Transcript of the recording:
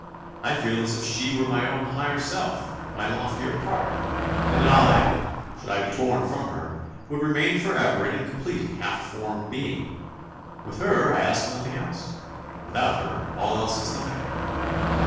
I feel as if she were my own higher self, my loftier part, and that I, should I be torn from her, would remain for ever an incomplete and half formed being. With her, I ask nothing else. Without her, all else is nothing.